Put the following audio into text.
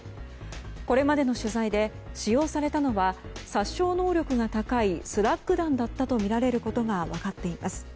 これまでの取材で使用されたのは殺傷能力が高いスラッグ弾だったとみられることが分かっています。